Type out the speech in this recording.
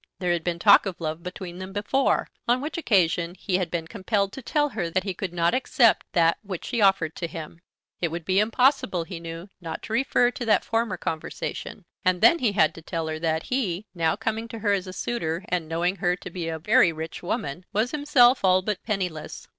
There had been talk of love between them before, on which occasion he had been compelled to tell her that he could not accept that which she offered to him. It would be impossible, he knew, not to refer to that former conversation. And then he had to tell her that he, now coming to her as a suitor and knowing her to be a very rich woman, was himself all but penniless.